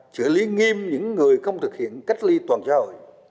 chữa lý nghiêm những người không thực hiện cách ly toàn gia hội